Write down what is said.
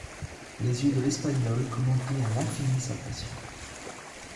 Les yeux de l'Espagnole commentaient à l'infini sa passion.